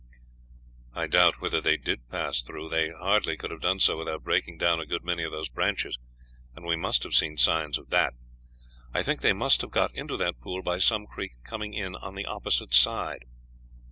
"I doubt whether they did pass through. They hardly could have done so without breaking down a good many of these branches, and we must have seen signs of that. I think they must have got into that pool by some creek coming in on the opposite side.